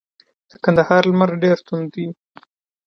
د کندهار لمر ډیر توند دی.